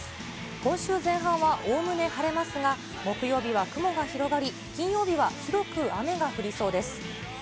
今週前半はおおむね晴れますが、木曜日は雲が広がり、金曜日は広く雨が降りそうです。